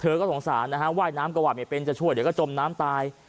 ก็สงสารนะฮะว่ายน้ำก็ว่าไม่เป็นจะช่วยเดี๋ยวก็จมน้ำตาย